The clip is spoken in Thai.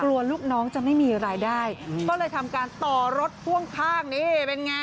ลูกน้องจะไม่มีรายได้ก็เลยทำการต่อรถพ่วงข้างนี่เป็นไง